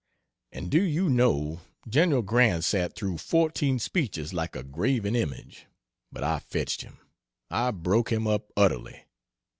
And do you know, Gen. Grant sat through fourteen speeches like a graven image, but I fetched him! I broke him up, utterly!